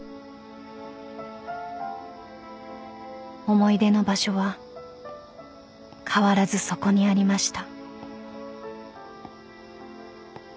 ［思い出の場所は変わらずそこにありました］